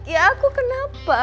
ya aku kenapa